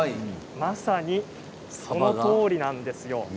まさに、そのとおりなんですよ。